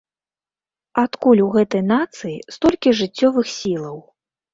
Адкуль у гэтай нацыі столькі жыццёвых сілаў?